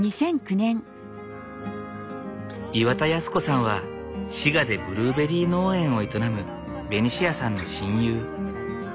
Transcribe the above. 岩田康子さんは滋賀でブルーベリー農園を営むベニシアさんの親友。